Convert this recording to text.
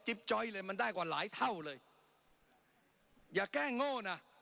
จ้อยเลยมันได้กว่าหลายเท่าเลยอย่าแก้โง่นะ